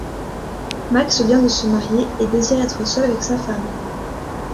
Max vient de se marier et désire être seul avec sa femme.